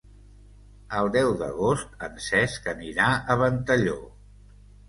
El deu d'agost en Cesc anirà a Ventalló.